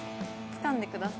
つかんでください。